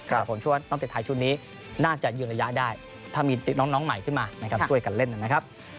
แต่ผมชวนตั้งแต่ท้ายชุดนี้น่าจะยืนระยะได้ถ้ามีติดน้องใหม่ขึ้นมาในการช่วยกันเล่นนั่นนะครับ